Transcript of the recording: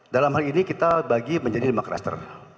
dalam hal ini kita bagi menjadi lima cluster